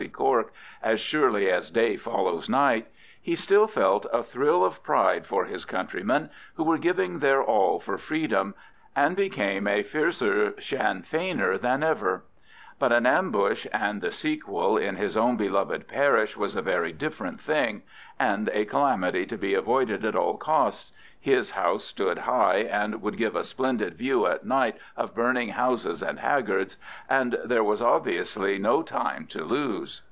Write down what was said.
Cork as surely as day follows night, he still felt a thrill of pride for his countrymen who were giving their all for freedom, and became a fiercer Sinn Feiner than ever; but an ambush (and the sequel) in his own beloved parish was a very different thing, and a calamity to be avoided at all costs (his house stood high, and would give a splendid view at night of burning houses and haggards), and there was obviously no time to lose.